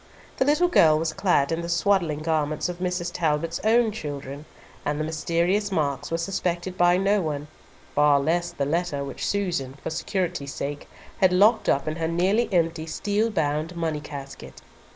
The little girl was clad in the swaddling garments of Mrs. Talbot's own children, and the mysterious marks were suspected by no one, far less the letter which Susan, for security's sake, had locked up in her nearly empty, steel bound, money casket.